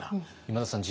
今田さん